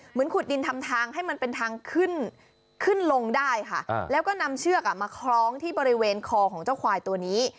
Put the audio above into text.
ขุดดินทำทางให้มันเป็นทางขึ้นขึ้นลงได้ค่ะแล้วก็นำเชือกมาคล้องที่บริเวณคอของเจ้าควายตัวนี้